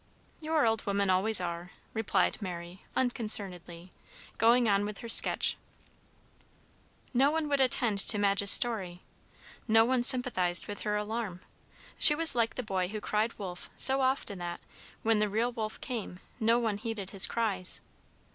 "Your old women always are," replied Mary, unconcernedly, going on with her sketch. No one would attend to Madge's story, no one sympathized with her alarm. She was like the boy who cried "Wolf!" so often that, when the real wolf came, no one heeded his cries.